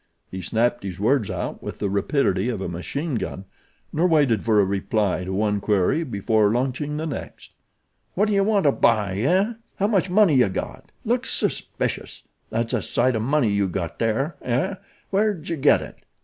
He snapped his words out with the rapidity of a machine gun, nor waited for a reply to one query before launching the next. "What do ye want to buy, eh? How much money ye got? Looks suspicious. That's a sight o' money yew got there, eh? Where'dje get it?"